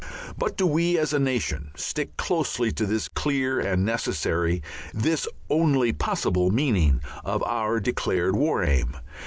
But do we, as a nation, stick closely to this clear and necessary, this only possible, meaning of our declared War Aim?